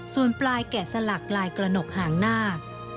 ส่วนปลายแกะสลักลายกระหนกห่างหน้า